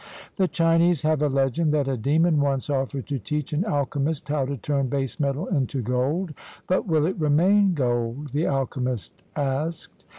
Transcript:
The Chinese have a legend that a demon once offered to teach an alchemist how to turn base metal into gold. "But will it remain gold?" the alchemist asked.